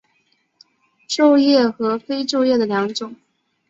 皱叶和非皱叶的两种。